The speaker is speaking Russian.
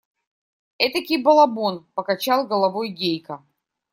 Этакий балабон! – покачал головой Гейка.